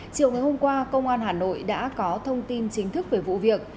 chiều ngày hôm qua công an hà nội đã có thông tin chính thức về vụ việc